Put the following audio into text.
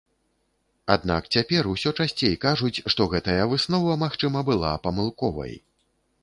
Аднак цяпер усё часцей кажуць, што гэтая выснова, магчыма, была памылковай.